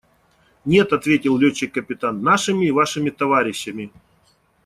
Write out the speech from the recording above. – Нет, – ответил летчик-капитан, – нашими и вашими товарищами.